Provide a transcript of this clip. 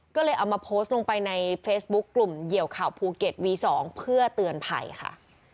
ก็เลยเอามาโพสต์ลงไปในเฟซบุ๊คกลุ่มเหยียวข่าวภูเก็ตวี๒เพื่อเตือนภัยค่ะ